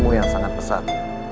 ayah anda k nomor tadi